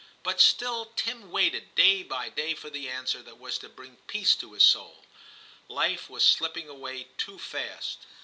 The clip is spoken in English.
But still Tim waited day by day for the answer that was to bring peace to his soul. Life was slipping away too fast.